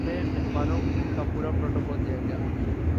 ہمیں مہمانوں کا پورا پروٹوکول دیا گیا